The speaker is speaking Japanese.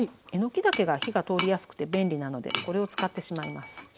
えのきだけが火が通りやすくて便利なのでこれを使ってしまいます。